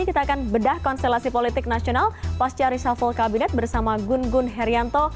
kita akan bedah konstelasi politik nasional pasca reshuffle kabinet bersama gun gun herianto